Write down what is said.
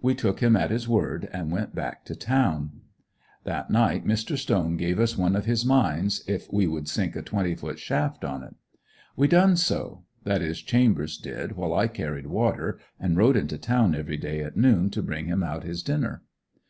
We took him at his word and went back to town. That night Mr. Stone gave us one of his mines, if we would sink a twenty foot shaft on it. We done so; that is, Chambers did, while I carried water, and rode into town every day at noon to bring him out his dinner.